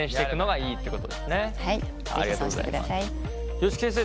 吉木先生